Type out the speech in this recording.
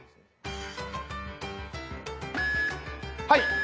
はい。